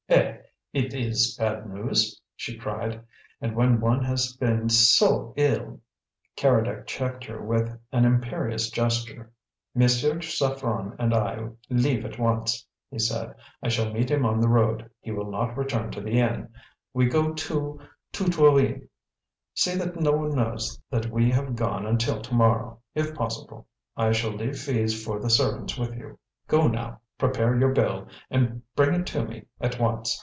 "Eh! it is bad news?" she cried. "And when one has been so ill " Keredec checked her with an imperious gesture. "Monsieur Saffren and I leave at once," he said. "I shall meet him on the road; he will not return to the inn. We go to to Trouville. See that no one knows that we have gone until to morrow, if possible; I shall leave fees for the servants with you. Go now, prepare your bill, and bring it to me at once.